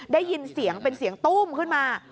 ได้ยินเสียงเป็นเสียงตู้มขึ้นมา